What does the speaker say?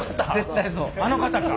あの方か。